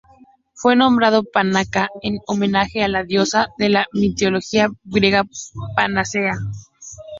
Fue nombrado Panacea en homenaje a la diosa de la mitología griega Panacea.